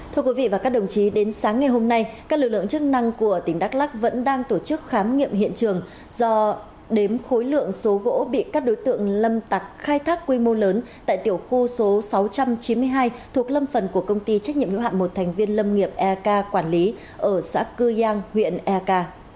thưa quý vị và các đồng chí đến sáng ngày hôm nay các lực lượng chức năng của tỉnh đắk lắc vẫn đang tổ chức khám nghiệm hiện trường do đếm khối lượng số gỗ bị các đối tượng lâm tặc khai thác quy mô lớn tại tiểu khu số sáu trăm chín mươi hai thuộc lâm phần của công ty trách nhiệm hữu hạn một thành viên lâm nghiệp eak quản lý ở xã cư giang huyện eak